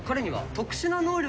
特殊能力。